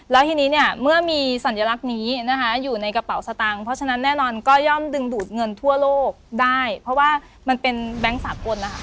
แล้วทีนี้เนี่ยเมื่อมีสัญลักษณ์นี้นะคะอยู่ในกระเป๋าสตางค์เพราะฉะนั้นแน่นอนก็ย่อมดึงดูดเงินทั่วโลกได้เพราะว่ามันเป็นแบงค์สากลนะคะ